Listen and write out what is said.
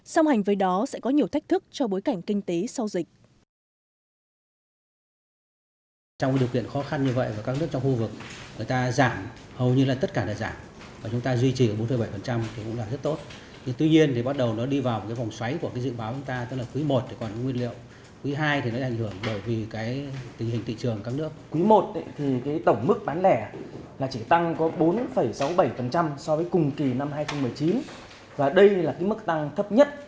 xong hành với đó sẽ có nhiều thách thức cho bối cảnh kinh tế sau dịch